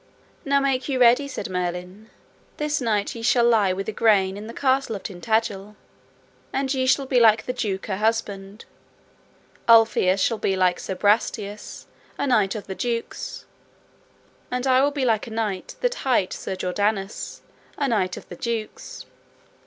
Now make you ready, said Merlin, this night ye shall lie with Igraine in the castle of Tintagil; and ye shall be like the duke her husband, Ulfius shall be like Sir Brastias, a knight of the duke's, and I will be like a knight that hight Sir Jordanus, a knight of the duke's.